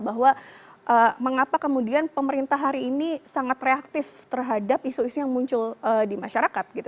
bahwa mengapa kemudian pemerintah hari ini sangat reaktif terhadap isu isu yang muncul di masyarakat gitu